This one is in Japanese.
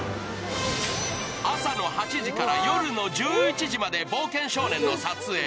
朝の８時から夜の１１時まで「冒険少年」の撮影。